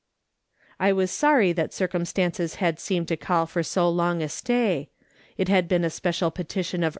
I was sorry that circumstances had seemed to call for so long a stay ; it had been a special petition of '*POOR LIDA AND THE REST."